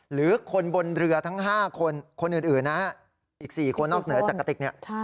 หรือคนบนเรือทั้ง๕คนคนอื่นนะอีก๔คนนอกเหนือจากกะติกเนี่ย